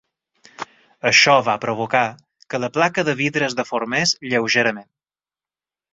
Això va provocar que la placa de vidre es deformés lleugerament.